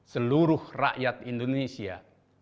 seluruh rakyat indonesia